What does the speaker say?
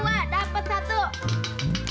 makan kolak buat buka puasih